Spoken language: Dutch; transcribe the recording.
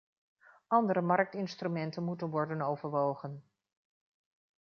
Andere marktinstrumenten moeten worden overwogen.